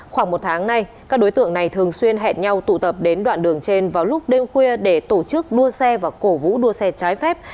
khoảng một tháng nay các đối tượng này thường xuyên hẹn nhau tụ tập đến đoạn đường trên vào lúc đêm khuya để tổ chức đua xe và cổ vũ đua xe trái phép